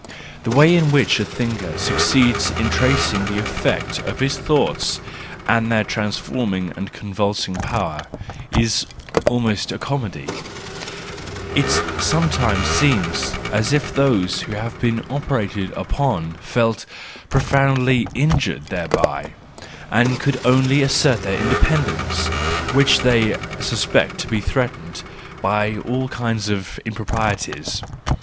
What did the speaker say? The way in which a thinker succeeds in tracing the effect of his thoughts, and their trans¬ forming and convulsing power, is almost a comedy : it sometimes seems as if those who have been operated upon felt profoundly injured thereby, and could only assert their independence, which they suspect to be threatened, by all kinds of impro¬ prieties.